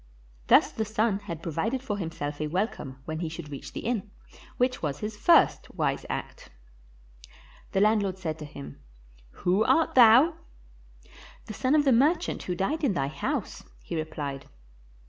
Thus the son had provided for himself a welcome when he should reach the inn, which was his first wise act. The landlord said to him, "Who art thou?" "The son of the merchant who died in thy house," he repHed.